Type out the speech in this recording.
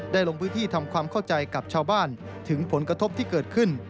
ลงพื้นที่ทำความเข้าใจกับชาวบ้านถึงผลกระทบที่เกิดขึ้น